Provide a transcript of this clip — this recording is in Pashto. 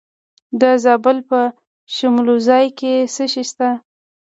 د زابل په شمولزای کې څه شی شته؟